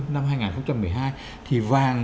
năm hai nghìn một mươi hai thì vàng